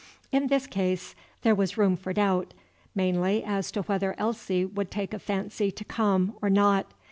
In this case there was room for doubt, mainly as to whether Elsie would take a fancy to come or not.